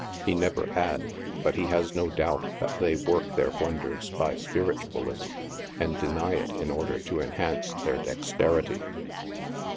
He never had, but he has no doubt that they work their wonders by Spiritualism, and deny it in order to enhance their dexterity.